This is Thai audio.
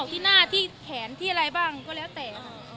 ที่หน้าที่แขนที่อะไรบ้างก็แล้วแต่